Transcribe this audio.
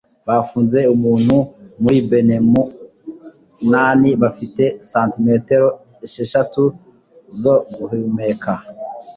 Bafunze umuntu muri baneumunani bafite santimetero esheshatu zo guhumeka